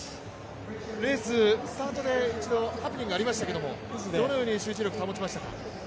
レース、スタートで一度ハプニングがありましたけれども、どのように集中力を保ちましたか？